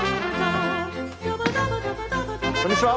こんにちは！